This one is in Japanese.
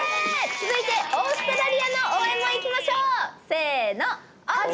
続いてオーストラリアの応援もいきましょう。